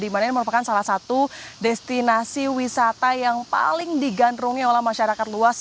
dimana ini merupakan salah satu destinasi wisata yang paling digandrungi oleh masyarakat luas